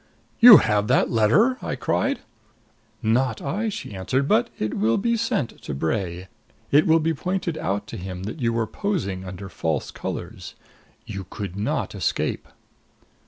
"You have that letter!" I cried. "Not I," she answered. "But it will be sent to Bray. It will be pointed out to him that you were posing under false colors. You could not escape!"